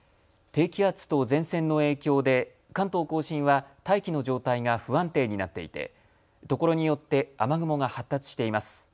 低気圧と前線の影響で関東甲信は大気の状態が不安定になっていてところによって雨雲が発達しています。